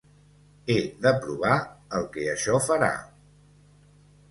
He de provar el que això farà.